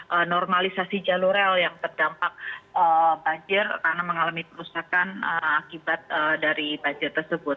jadi kita sudah normalisasi jalur rel yang terdampak banjir karena mengalami perusahaan akibat dari banjir tersebut